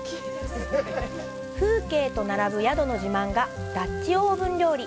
風景と並ぶ宿の自慢がダッチオーブン料理。